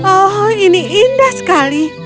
oh ini indah sekali